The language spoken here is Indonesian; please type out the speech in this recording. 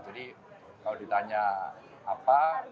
jadi kalau ditanya apa